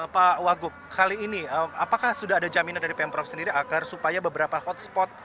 pak wagub kali ini apakah sudah ada jaminan dari pemprov sendiri agar supaya beberapa hotspot